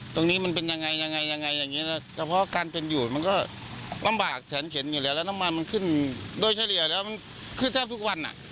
มันเป็นยังไงยังไงอย่างนี้แล้วเฉพาะการเป็นอยู่มันก็ลำบากแสนเข็นอยู่แล้วแล้วน้ำมันมันขึ้นโดยเฉลี่ยแล้วมันขึ้นแทบทุกวันอ่ะ